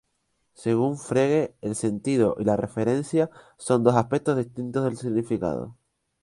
Según Frege, el sentido y la referencia son dos aspectos distintos del significado.